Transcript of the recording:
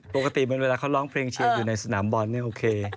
ปกติมันเวลาเขาร้องเพลงเชียงอยู่ในสนามบอลโอเค